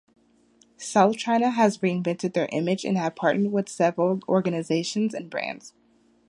South China has reinvented their image and have partnered with several organisations and brands.